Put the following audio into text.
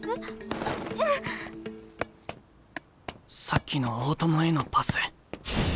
さっきの大友へのパス。